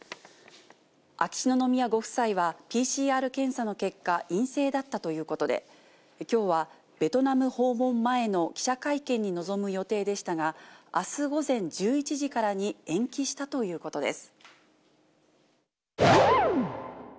秋篠宮ご夫妻はＰＣＲ検査の結果、陰性だったということで、きょうはベトナム訪問前の記者会見に臨む予定でしたが、あす午前１１時からに延期したということです。